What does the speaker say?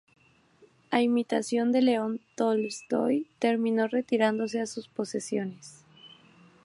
A imitación de León Tolstói, terminó retirándose a sus posesiones.